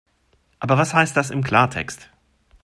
Aber was heißt das im Klartext?